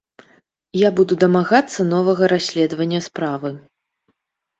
Я буду дамагацца новага расследавання справы.